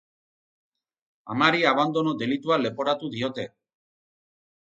Amari abandono delitua leporatu diote.